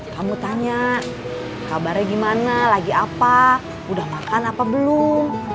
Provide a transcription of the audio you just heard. kamu tanya kabarnya gimana lagi apa udah makan apa belum